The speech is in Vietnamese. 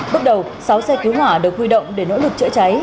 bước đầu sáu xe cứu hỏa được huy động để nỗ lực chữa cháy